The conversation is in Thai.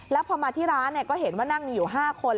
แล้วพอมาที่ร้านก็เห็นว่านั่งอยู่๕คน